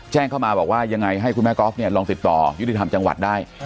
แจ้งเข้ามาบอกว่ายังไงให้คุณแม่ก๊อฟเนี่ยลองติดต่อยุติธรรมจังหวัดได้